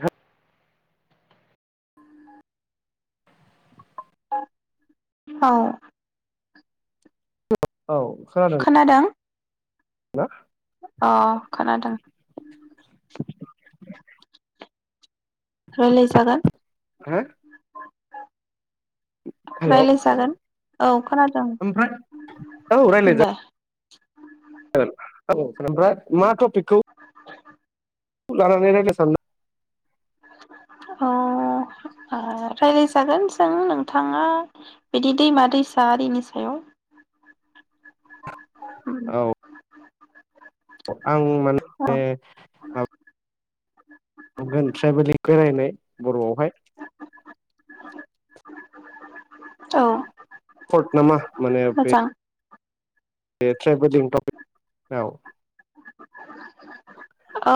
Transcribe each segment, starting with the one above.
ह औ। औ खोनादों। [unintelligible] अ खोनादों। रायलाय जागोन। हा। रायलायजागोन औ खोनादों ओमफ्राय औ दे रायज्लायजागोन [unintelligible] ओमफ्राय मा टफिकखौ [unintelligible] औ रायलायजागोन जों नोंथाङा बिदि दैमा दैसा आरिनि सायाव औ औ [unintelligible] हगोन ट्राइबेलि बेरायनाय बर आवहाय [inaudible] औ थब मोना माने बे मोजां ट्रेभेलिं टपिकआव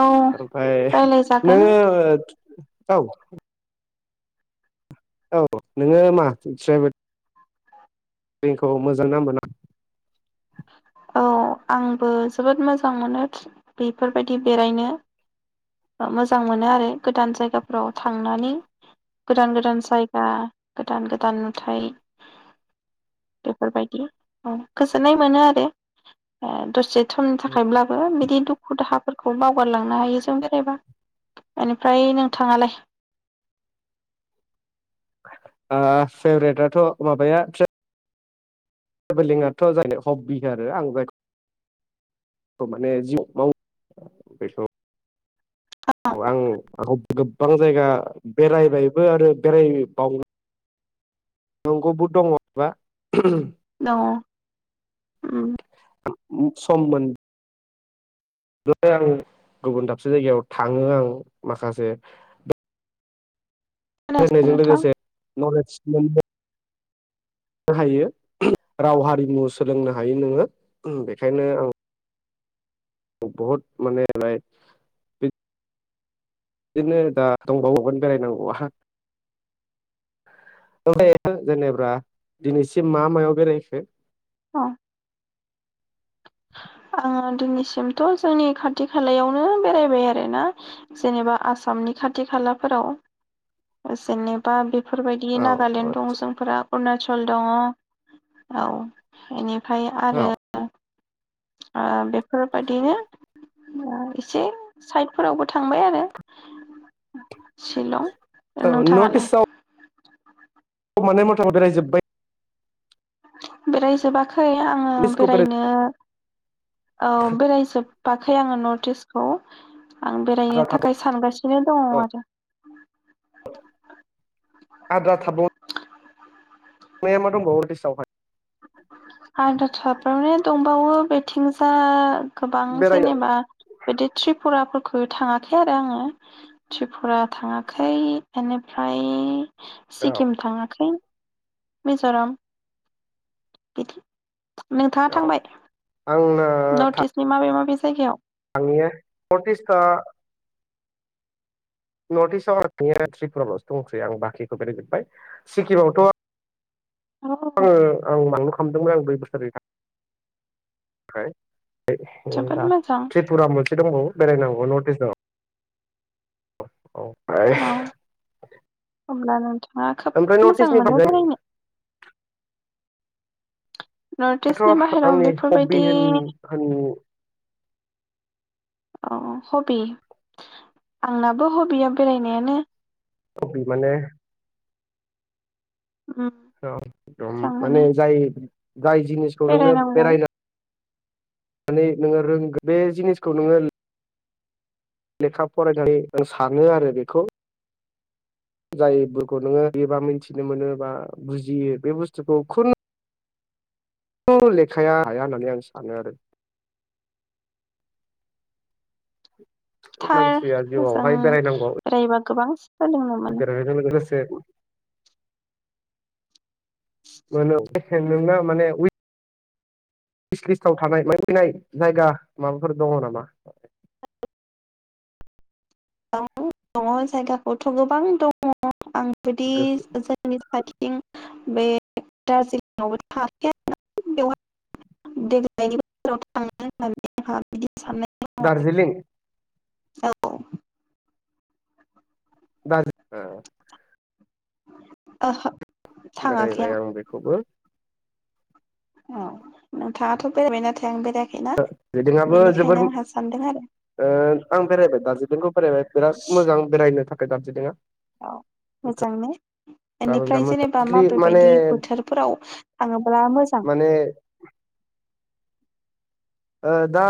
औ ओमफाय रायलायजागोन नोंङो औ औ नोङो मा दिन्थि थांगोन [unintelligible] औ आंबो जोबोद मोजां मोनो बेफोरबायदि बेरायनो मोजां मोनो आरो गोदान जायगाफोराव थांनानै गोदान गोदान जायगा गोदान गोदान नुथायाइ बेफोरबायदि औ गोजोननाय मोनो आरो ओ दसे समनि थाखायब्लाबो बिदि दुखु दाहाब फोरखौ बावगारलांनो हायो जों एबा बेनिफ्राय नों थाङालाय फेब्रेटआथ माबाया ट्रेन ट्रेभेलिंआथ जायनो हबि [unintelligible] औ आं आंखौ गोबां जायगा बेरायबायबो आरो बेरायोबावनो नंगौबो दङबा दङ उम सममोन [unintelligible] आं गुबुन दाबसे जायगायाव थाङो आं माखासे खोनायासै फरायनायजों नोंथां लोगोसे नलेज मोन हायो राव हारिमु सोलोंनो हायो नोङो बेखायनो आं बहुत माने [unintelligible] बिदिनो दा दंबावावगोन बेरायनांगौ आहा ओफ्राय जेनेबा दिनैसिम मा मायाव बेरायखो? औ आङो दिनैसिमथ जोंनि खाथि खालायावनो बेरायबाय आरोना जेनेबा आसामनि खाथि खालाफोराव जेनेबा बे बेफोरबायदि औ नागालेण्ड दं जोंफोरा अरुणाचल दङ औ बेनि ओमफाय औ आरो आ बे फोर बादिनो ओ एसे साइडफोरावबो थांबाय आरो शिलं औ नोंथाङालाय नटिस आव माने मथामत बेरायजोबबाय। बेरायजोबा खै आङो नर्थ इस्टखौ बेरायनो औ बेरायजोब बाखै आङो नर्थ इस्टखौ आं बेरायनो बेराय थाखाय सानगासिनो दङ आरो। आद्रा थाबाव [inaudible] माया मा दंबावो अदेसावहाय आद्रा थाबावरेन दंबावो बेथिंजा गोबां बेरायनो जेनेबा बिदि त्रिपुराफोर खो थाङाखै आरो आङो त्रिपुरा थाङाखै एनिफ्राय औ सिक्किम थाङाखै। मिज'राम बिदि। नोंथाङा औ थांबाय नर्थ इस्टनि माबे माबे जायगायाव आंनियो नर्थ इस्टआ नर्थ इस्टआव [unintelligible] त्रिपुरायावल'सो दंसै आं बाखिखौ बेरायजोब्बाय सिक्किमावथ' औ आङो आं मांनोखो खालामदोंमोन आं बै बोसोरनि [unintelligible] ओमफ्राय [unintelligible] ओ जोबोद दा मोजां त्रिपुरा मोन दंबावो बेरायनांगौ नर्थ इस्टआव। औ। आइस। होमब्लाना मिथि ओमफ्राय नर्थ इस्टनि [unintelligible] नर्थ इस्टनि दाथ' बाहेराव आंनि बेफोरबायदि हबबि होन-होन अ अ हबि आंनाबो हबिया बेरायनायानो। हबि माने उम मोजां औ दम मोनो माने जाय जाय जिनिसखौ नोंनो बेरायनांगौ बेरायनो माने नोङो रोंग बे जिनिसखौ नोङो लेखा फरायनानै आं सानो आरो बेखौ। जायफोरखौ नोङो एबा मिथिनो मोनो बा बुजियो बे बुस्थुखौ खुनु औ लेखाया हाया होननानै आं सानो आरो। थार मानसिया मोजां जिउआवहाय बेरायनांगौ बेरायबा गोबां सि बेरायनायजों लोगोसे मानो एखे नोंना माने उइक स [unintelligible] लिसटाव थानाय मान फैनाय जायगा माबाफोर दङ नामा। गोबां दङ जायगाखौथ गोबां दङ। आं बिदि गोसो जोंनिथि फारसेथिं बे दार्जिलिंआवबो थाङाखै आरो ना बेवहा देग्लायनि बोसोराव थांनो होन्नानै हा बिदि साननाय दं दार्जिलिं औ दार्जि ओ ओहो बेरायबाय आं बेखौबो अ नोंथाङाथ बेरायबाय नाथाय आं बेराया ओ [unintelligible] आबो जोबोर सानदों आरो ओ आं बेरायबाय दार्जिलिंखौ बेरायबाय बिराद मोजां बेरायनो थाखाय। दार्जिलिं आ औ मोजांने बिराद बेनिफ्राय मोजां जेनेबा मस्लि माने माबेबायदि बोथोरफोराव थाङो बा मोजां माने ओ दा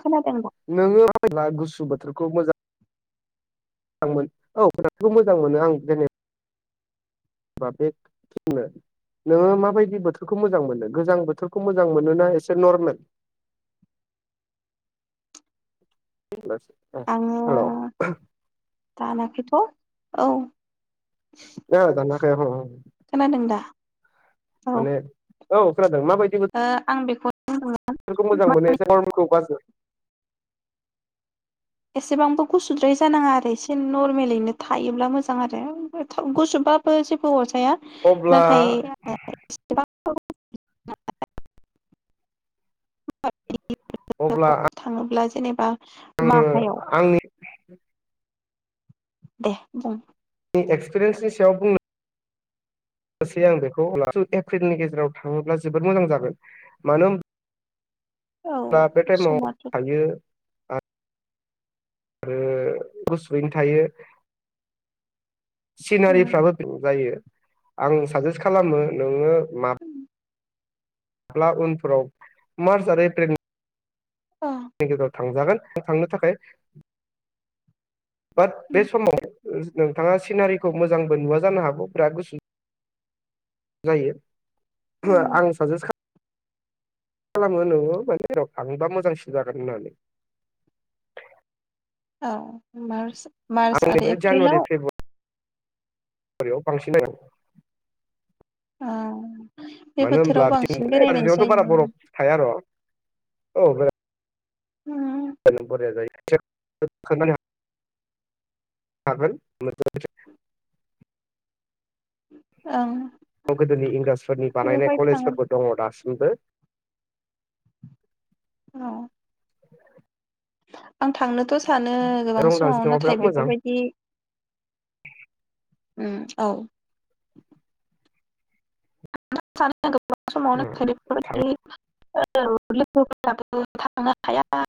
खोनादोंना? नोङो गुसु बोथोरखौ मोजां औ [unintelligible] खौ मोजां मोनो आं बा बे नोङो माबायदि बोथोरखौ मोजां मोनो गोजां बोथोरखौ मोजां मोन ना एसे नरमेल [inaudible] आङो थानाय थ औ ओ दानाखै आब [unintelligible] खोनादों दा औ माने औ खोनादों नों माबायदि मोन आं बेखौनो बुंदोंमोन बेखौ मोजां मोनो [unintelligible] एसेबांबो गुसुद्राय जानाङा आरो एसे नरमेलैनो थायोब्ला मोजां आरो गुसुबबाबो जेबो अर या‌ अब्ला नाथाइ [unintelligible] [unintelligible] [inaudible] अब्ला आं थाङोब्ला जेनेबा माहायाव दे बुं। एक्सपिरियेन्सनि सायाव बुंनो सै आं बेखौ [unintelligible] एप्रिलनि गेजेराव थाङोब्ला जोबोर मोजां जागोन मानो होन औ अब्ला बे टाइमाव समाथ' थायो आ आरो गुसुयैनो थायो। सिनारिफ्राबो बें जायो। आं साजेस्ट खालामो नोङो मा ब्ला उनफोराव मार्च आरो एप्रिलनि औ गेजेराव थांजागोन थांनो थाखाय बाट बे समाव नोंथाङा सिनारिखौ मोजांबो नुवा जानो हागौ बिराद गुसु जायो। आं साजेस खा खालामो नोङो माने [unintelligible] थाङोबा मोजांसिन जागोन होननानै। औ मार्स आंनिबो जानुवारि फेब्रु आरियाव बांसिन [unintelligible] अ मानो होनोब्ला बिथिं दारजिलिंआवथ बारा बरफ थायार'। औ। उम [unintelligible] थागोन [unintelligible] ओं। गोदोनि इंराजफोरनि बानायनाय बेवहाय थाङो कलेजफोरबो दङ दासिम मबो। औ। [inaudible] आं थांनोथ सानो गोबां दं समाव दार्जिलिंआव नाथाय बिराद मोजां बेफोरबायदि ओम औ। [unintelligible] थां [unintelligible] औ लोगोफोराबो थांनो हाया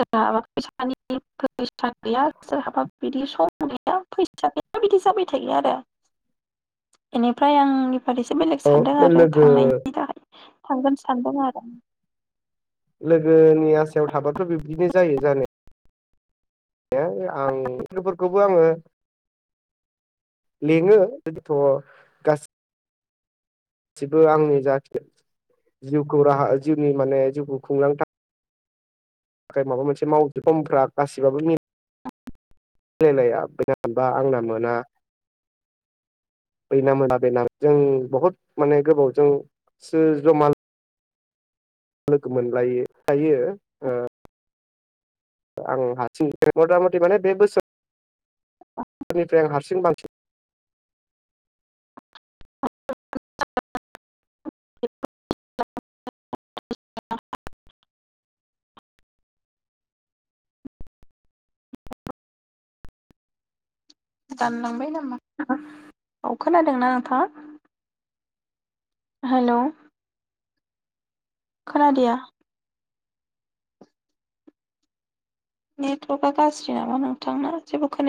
जोंहाबा फैसानि फैसा गैया सोरहाबा बिदि सम गैया फैसा गैया बिदि जाबाय थायो आरो बेनिफ्राय आंनिफ्रायसो अ नो लोगो थांगोन सानदों आरो लोगोनि आसायाव थाबाथ बिबदिनो जायो जानाया ए आं लोगोफोरखौबो आङो। लिङो जोंथ गास सिबो आंनि जाथे जिउखौ राहा जिउनि माने जिउखौ खुंलां था थाखाय माबा मोनसे [unintelligible] गासिबाबो मिलाय लाया बे हानबा आंना मोना। हैैना मोना बेनाम जों बहुद माने गोबावजोंसो जमा लोगो मोनलायो थायो ओ आं हारसिं मथा मथि माने बे बोसोर निफ्राय आं हार सिन बांसिन [unintelligible] दानलांबाय नामा औ खोनादोंना नोंथाङा? हेलौ खोना दिया नेटवर्कआ गाज्रि नामा नोंथांना जेबो खोनाया